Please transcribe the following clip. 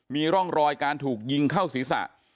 มีร่องรอยการถูกยิงเข้าศีรษะ